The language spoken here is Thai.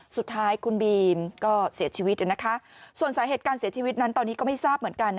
สุดท้ายคุณบีมก็เสียชีวิตนะคะส่วนสาเหตุการเสียชีวิตนั้นตอนนี้ก็ไม่ทราบเหมือนกัน